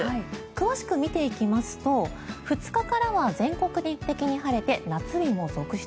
詳しく見ていきますと２日からは全国的に晴れて夏日も続出。